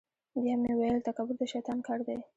بیا مې ویل تکبر د شیطان کار دی.